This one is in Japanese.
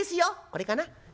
これかな？